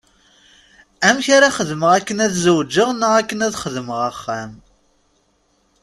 Amek ara xedmeɣ akken ad zewǧeɣ neɣ akken ad xedmeɣ axxam?